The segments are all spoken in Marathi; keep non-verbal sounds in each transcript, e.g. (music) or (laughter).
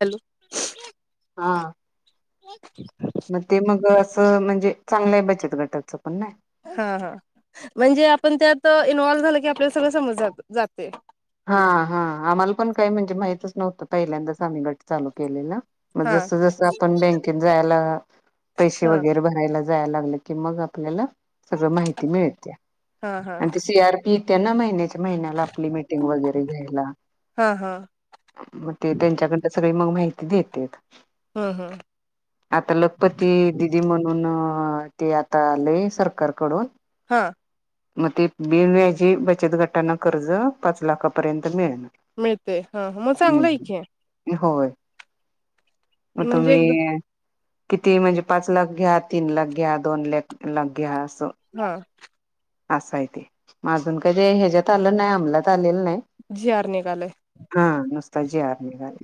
हॅलो! हा ह (unintelligible) मग ते मग असं म्हणजे चांगलंय बचत गटाचं पण नाही हा हा म्हणजे आपण त्यात इन्व्हल्व झालं की, आपल्याला सगळं समज जातेय हा हा आम्हाला पण काही म्हणजे माहितच नव्हतं, पहिल्यांदाच आम्ही गट चालू केलेल. मग हा जस जस आपण बँकेत जायला पैसे हा वगैरे भरायला जायला लागले की मग आपल्याला माहीत मिळते. हा हा आणि ते सी आर पी त्यांना महिन्याच्या महिन्याला आपली मि वगैरे घ्यायला हा हा मग ते त्यांच्याकड सगळी मग माहिती देते. ह ह आता लखपती दिदी म्हणून, अ ते आता आले सरकारकडून. हा मग ते बिव्याजी बचत गटाना कर्ज पाच लाखापर्यंत तर मिळते हा मग ना चांगलं आहे की होय. मग म्हणजे एकदम तुम्ही. किती म्हणजे पाच लाख घ्या, तीन लाख घ्या, दोन लाख लाख घ्या, हा असाय ते मा अजून का ह्याच्यात आलं नाही, अमलात आलेलं नाही, जीआर निघाले. त्यात जीआर निघाले.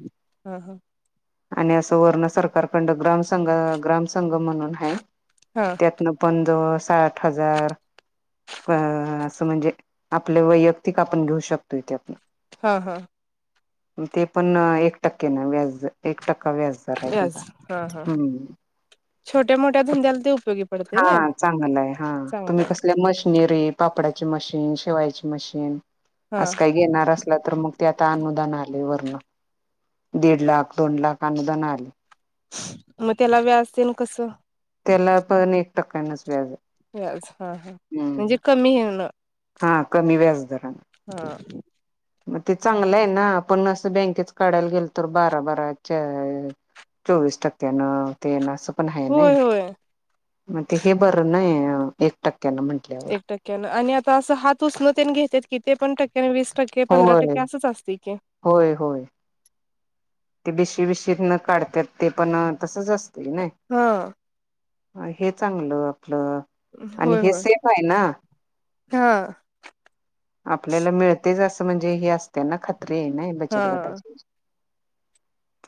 आणि असं वर्ण सरकार खंड ग्राम संघ ग्राम संंघ म्हणून आहे. हा त्यातनं पंज साठ हजार. अ असं म्हणजे आपले वैयक्तिक आपण घेऊ शकतो इथे आपण. हा हा. ते पण एक टक्के न व्याज एक टक्का व्याजदार आहे त्याचा, व्याज हा हा हम्म? छोट्या मोठ्या धंद्याला ते उपयोगी पडते हा ना चांगल हा तुम्ही चांगलं कसल्याम कशनीरी पापडाचे मशीन, शिवायचे मशीन, हा अस काही घेणार असला तर मग ते आता अनुदान आले वर, दीड लाख, दोन लाख, अनुदान आले. मग त्याला व्याज देन कसं त्याला पण एक टक्क्यांनाच व्याज यास हा हा हम्म म्हणजे कमी येणं हा कमी व्याजदराण मग ते चांगलं आहे ना पण असं बँकेत काढायला गेल तर बारा बाराच्या चोवीस टक्क्या न ते होय मग होय बर नाही ट एक टक्क्यान आणि आता असं हात उष्णतेने घेत कि ते पण टक्याने वीस टक्के पंधरा होय टक्के असंच असतंय की होय होय ते बश काढत ते पण तसच असत हा नाही हे चांगलं आपलं आणि होय हे होय सेफ आहे ना हा आपल्याला मिळतेच असं म्हणजे हे असतेना खात्री आहे ना हा बचत गटाची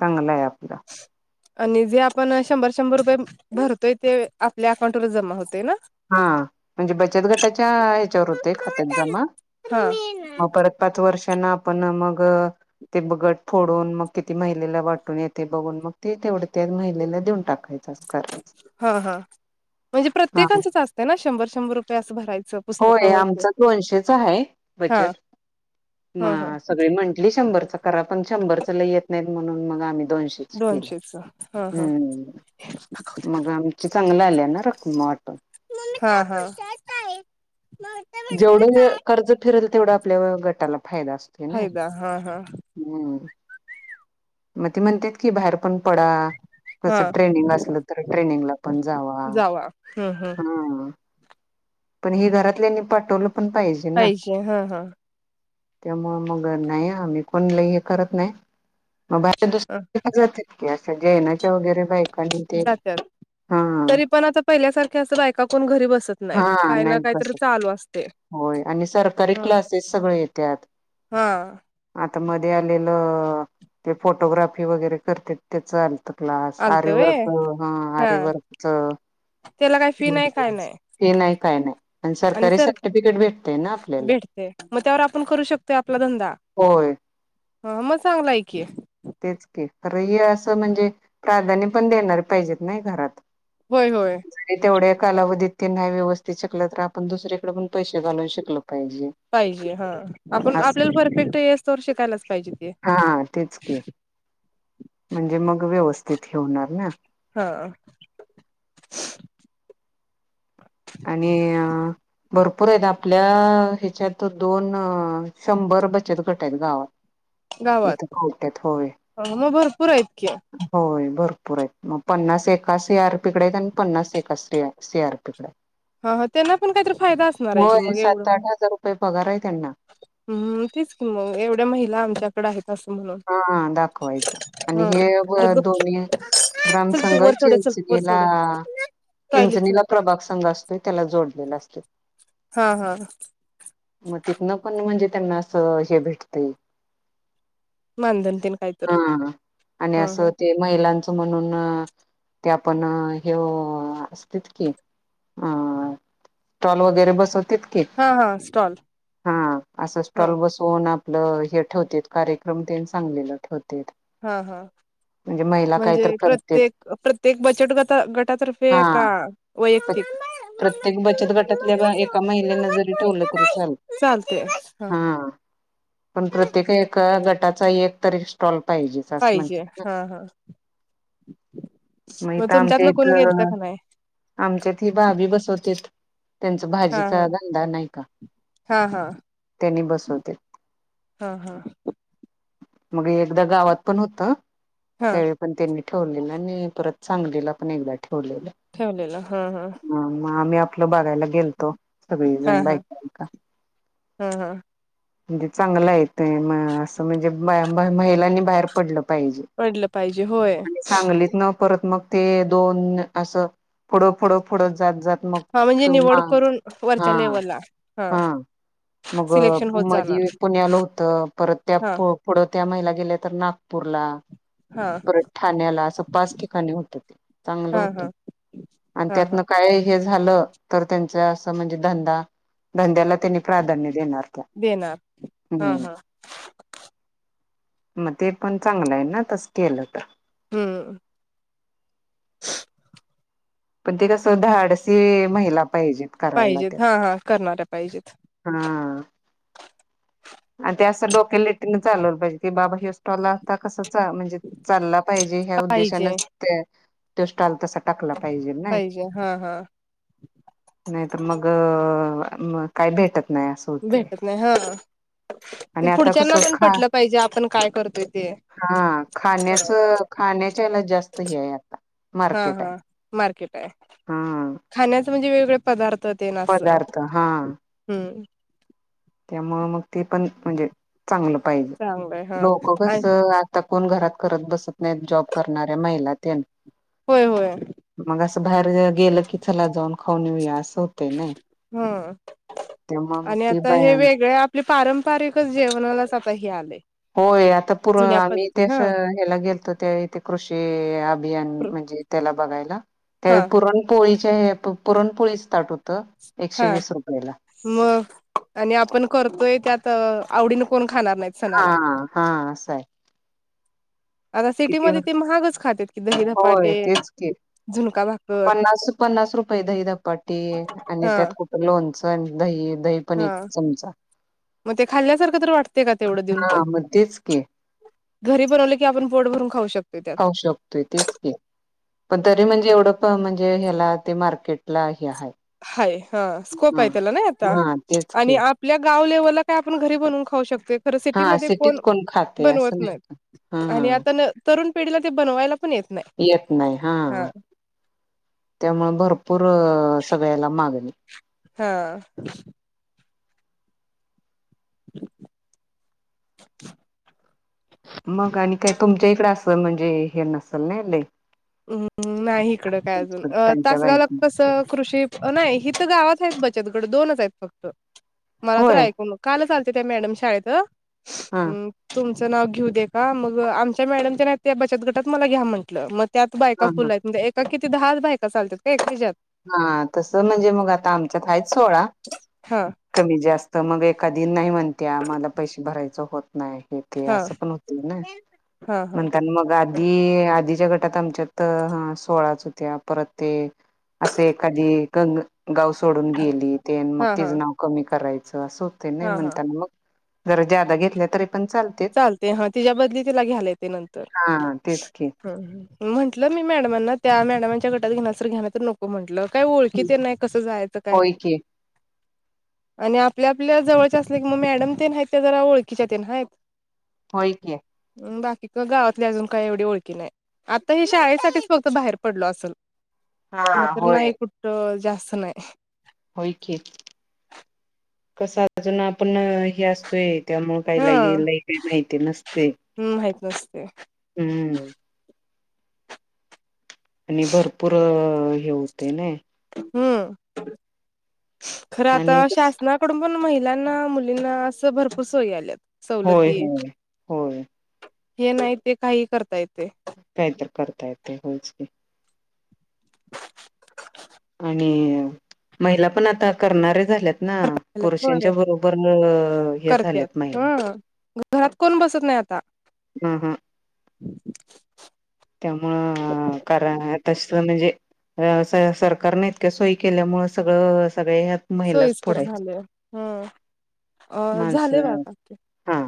चगलाया पिरा आणि जे आपण शंभर शंभर रुपये भरतोय ते आपल्या अकाउंटवरर जमा होतोय ना हा म्हणजे बचत गटाच्या हच्यावर होते खात्यात जमा हा मग परत पाच वर्षांना आपण मग ते गट फोडून मग किती महिलेला वाटून येते बघून मग ते तेवढ त्या महिलेला देऊन टाकत हा हा म्हणजे हा प्रत्येकचच असतं ना शंभर शंभर रुपये असं भरायचं होय पुस्तकावरती आमचा दोनशेचा आहे हा बचत म हा हा सगळी म्हंटली शंभरच करा पण शंभर च ल येत नाहीत म्हणून मग आम्ही दोनशे क दोनशेच हा हा म आम चांग आ मा हा हा जेवढे कर्ज फिरेल तेवढं आपल्यावर गटाला फायदा असतो फायदा हा हा मग ते म्हणते की बार ण प क हा टनंग असल तर ट्रेनिंग पण जावा हम्म हम्म हम् पण हे घरातल्यानी पाठवलं पण हायचे हा हा त्यामु मग नाही आम्ही कोण ल हे करत नाही मग बाहे दुसाते क असं जेनाच्या वगैरे बाई जात तरी पण आता पहिल्यासारख्या अस बायकाकून घरी बसत नाहीत काय ना काहीतरी स चालू असते होय आणि सरकारी ह क्लासेस सगळे येत्या हा आता मध्ये आलेलं ते फोटोग्राफी वगैरे करते त्याच आ क्लास आलत व्हय आरवर्क हा आरवर्कच त्याला काय फी नाही काय नाही हे नाही काय नाही आणि सरकारी सर्टिफिकेट भेटते ना आपल्याला भेटते मग त्यावर आपण करू होय हा मग चांगला आहे की तेच की खर हे असं म्हणजे प्राधान्य पण देणार पाहिजेत नाही घरात होय होय (inaudible) तेवढ्या कालावधीत ते नाही व्यवस्थित शिकलं तर आपण दुसरीकडे पण पैसे घालवून शिकलो पाहिजे हा आपण अस आपल्याला परफेक्ट येसतोवर शिकायलाच पाहिजे ते हा तेच के म्हणजे मग व्यवस्थित हे होणार ना अं आणि अ भरपूर आहेत आपल्या ह्याच्यात दोन शंभर बचत गट आहेत गावात गावात इथ कवट्यात होय हा मग भरपूर आहेत की होय भर पुर आहेत मग पन्नास एका सीआरपीकडे आहेत आणि पन्नास एका सीआरपीकडे हा ह त्यांना पण काहीतरी फायदा असणार आहे की होय मग सात एवढं म आठ हजार रुपये पगार आहे त्यांना हम्म तेच की मग एवढ्या महिला आमच्याकड आहेत असं म्हणून हा दाखवायचं आणि हा हे अरे गप दोन्ही चल ग्रामसंंघ तू वर चढ चल वर चिंचणीला चढ टॉयलेट चल चिंचणीला प्रभाग संघ असतोय त्याला जोडत लेले असतं हा हा मग तिथन पण म्हणजे त्यांना असं हे भेटतय मानधन तेन काहीतर हा आणि हा हा असं ते महिलांचं म्हणून ते पण हे असत की अं स्टॉल वगैरे बसत तेच की हा हा स्टॉल हा असं हा स्टॉल बसवून आपलं हे ठेवतेत कार्य क्रम ते सांगलिला ठेवतात हा हा काय तर म्हणजे करतेत प्रत्येक प्रत्येक बचत गटा गटातर्फे आहे हा का वैयक्तिक प्रत्येक बचत गटातल्या एका महिलेनं जरी ठेवलं तरी चालतं हा पण प्रत्येक एका गटाचा एकतरी स्टॉल पाहिजे आस पाहिजे म्हणतेत ग हा हा मग इथ आमच्या तुमच्यातलं इथ कोण गेलत का नाही आमच्यात ही भाभी बसवतेत त्यांचा हा भाजीचा हा धंदा नाही का हा हा त्यांनी बसवतेत हं मग एकदा गावात पण होत हा त्यावेळी पण त्यांनी ठेवलेलं आणि परत सांगलीला पण एकदा ठेवलेलं ठेवलेला हा हा ह मग आम्ही आपलं बघायला गेलतो हा सगळीजण हा बायका बिका हा हा म्हणजे चांगलंय ते असं म्हणजे महिलांनी बाहेर पडलं पाहिजे पडलं पाहिजे होय आणि सांगलीतन परत मग ते दोन असं फुढं फुढं फढं जात जात मग हा म्हणजे ते हा निवड करून वरच्या लेवलला हा मग सिलेक्शन होत मधी जाणार पुण्यालं होतं परत त्या हा पुढ त्या महिला गेल्या तर नागपूरला हा परत ठाण्याला असं पाच ठिकाणी होतं चांगलं हा हा होतं आणि हा हा त्यातन काय हे झालं तर त्यांचा असं म्हणजे धंदा धंद्याला त्यांनी प्राधान्य देणार ते देणार हा हम् हा मग ते पण चांगलं आहे ना तस केलं तर हम्म पण ते कसं धाडसी महिला पाहिजेत करायला पाहिजेत त्यात हा हा करणाऱ्या पाहिजेत हा आणि ते असं डोक्यालिटिन चालवलं पाहिजे की बाबा हे स्टॉला असता कस म्हणजे चालला पाहिजे ह्या पाहिजे उद्देशानचं (inaudible) टाकला पाहिजे नाही हा हा नाही तर मगअ म काय भेटत भेटत नाही हा हम् ते पुढच्या लण पटलं पाहिजे आपण काय करतोय ते हा हा खाण्याच खाण्याच्याला जास्त हे आहे आता ह मार्केट आहे ह मार्केट आहे हा खाण्याच म्हणजे वेगवेगळे पदार्र तर ते ना स पदार्थ त्यामुळ मग ते पण म्हणजे चांगलं पाहिजे चांगलंय हा लोक कस आणि आता काम घरात करत बसत नाही जॉब करणाऱ्या महिला त्यांनी होय होय मग असं बाहेर गेलं की चला जाऊन खाऊन येऊया आज होते नाय ह तेव्हा आणि ते आता हे बाया वेगळ आपल पारंपारिकच जेवणालाच आता हे आलय होय आता पुर आम्ही ते ह्याला गेलतो ते इथे कृषी अभियान म्हणजे ते त्याला बघायला त्या हा पुरणपोळीचे हे पुरणपोळी ताट होत. हा मग आणि आपण करतोय त्यात आवडीने कोण खा हा हा असंय. आता सिटीमध्ये ते महागच खातात की दही होय धपाटे तेच की झुणका भाकर पन्नास रु पन्नास रुपये दहीधपाटे आणि हा त्यात कुठ लोनच पंच दही दही पण एक हा चमचा मग ते खाल्ल्यासारखं तर वाटते का तेवढं देऊन हा पण. मग तेच की घरी बनवले की आपण पोट भरून खाऊ शकतो त्यात खाऊ शकतोय तेच की पण तरी म्हणजे एवढं म्हणजे ह्याला ते मार्केटला हे हाय. हाय ह स्कोप हाय त्याला ना ता हा तेच आणि की आपल्या गाव लेव्हल काय आपण घरी बनवून खाऊ शकतोय. खरं हा सिटीमध्ये सिटीत कोण खाते असं बनवत नाही का हा आणि हा आता तरुण पिढीला ते बनवायला पण येत नाही येत नाही हा त्यामुळे भरपूर अं सगळेला मागली हा. (unintelligible) मग आणि काय तुमच्या इकडें असल म्हणजे हे नसेल ना लई हम्म नाही इकडं काय अजून अ त्यांच्या तासगावला बाईक कसं कृषी नाही हित गावात बचत गट दोनच आहेत फक्त मला तर होय ऐकूनं कालचं आल्या त्या मॅडम शाळेत हा हम्म तुम नाव घेऊ दे का मग आमच्या मॅडमच्या त्या बचत गटात मला घ्या म्हटलं मग त्यात बायका हा फुल आहेत म्हणजे एका किती दहाच बायका चालतात का एकाच्यात त्या हा तस म्हणजे मग आता आमच्यात हाच सोळा हा कमी जास्त तर मग एखादी नाही म्हणत्या मला पैसे भरायचं होत नाही हे ते हा असं पण होत ना हा हा म्हणताना मग आधी आधी ज्या गटात आमच्यात सोळाच होत्या परत ते असे एखादी गंग गाव सोडून गेली ते मग हा हा तिचं नाव कमी करायचं असं होत नाही हा हा म्हणताना मग जर ज जादा घेतल्या तरी चालते हा तिच्या बदली तिला घ्याला येते नंतर हा तेच की ह म्हंटलं मी मॅडमांना त्या मॅडमांच्या गटात घेण्यासर घेण्या तर नको म्हटलं. काय ओळखीत नाही कसं जायचं काय? होय की आणि आपल्या आपल्या जवळचे असल्या कि मग मॅडम ते आहेत त्या जरा ओळखीच्या ते आहेत. होय की. बाकी का गावातली अजून काही एवढी ओळखी नाही आता हे शाळेसाठीच फक्त बाहेर पडलो असल. हा नाही तर होय नाही कुठं जास्त नाही. होय की कसं आहे अजून आपण हे असतोय. त्यामुळे हा काहीला लैई काही माहिती नसतय माहित नसते हम्म. आणि भरपूर हे होते ना. हम्म खरं आणि आता कस शासनाकडून पण महि लांना मुलींना असं भरपूर सोयी आलेत. होय होय होय. हे नाही ते काहीही करता येतंय. काहीतर करता येतंय होयंच की. आणि महिला पण आता करणारेत. झाल्यात ना होय पुरुषांच्या बरोबरीनं हे झालेत महिला. दिसत नाही आता. हम् हम् स सरकारने इतक्या सोयी केल्यामुळे सगळं सगळे महिलाचं सोयीस्कर पुढायत, झाले ह झाले बा माणसं काकी हा